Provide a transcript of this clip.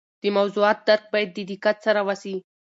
د موضوعات درک باید د دقت سره وسي.